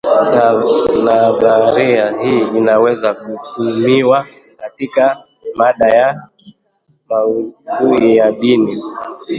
Nadharia hii inaweza kutumiwa katika mada ya maudhui ya dini